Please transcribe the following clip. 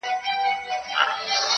زما غمی یې دی له ځانه سره وړﺉ,